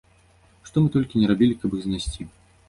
Што мы толькі не рабілі, каб іх знайсці.